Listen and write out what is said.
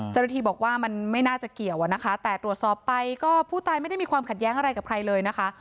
เจ้าหน้าที่บอกว่ามันไม่น่าจะเกี่ยวอะนะคะแต่ตรวจสอบไปก็ผู้ตายไม่ได้มีความขัดแย้งอะไรกับใครเลยนะคะ